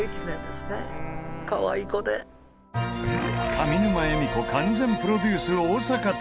上沼恵美子完全プロデュース大阪旅。